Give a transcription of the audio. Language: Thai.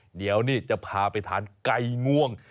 เดี๋ยวนี่จะพาไปทานไก่ง่วง